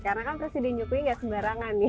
karena kan presiden jokowi nggak sembarangan